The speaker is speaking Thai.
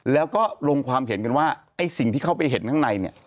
แล้วก็ลงความเห็นกันว่าไอ้สิ่งที่เข้าไปเห็นข้างในเนี่ย